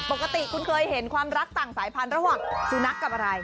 ปกติคุณเคยเห็นความรักต่างสายพันธุ์ระหว่างสุนัขกับอะไร